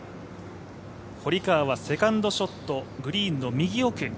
堀川はセカンドショット、グリーンの右奥。